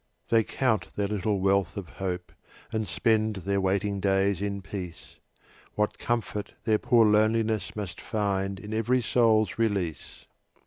They count their little wealth of hope And spend their waiting days in peace, What comfort their poor loneliness Must find in every soul's release!